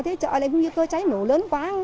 thế chợ lại nguy cơ cháy nổ lớn quá